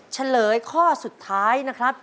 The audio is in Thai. เฉลยข้อสุดท้ายนะครับ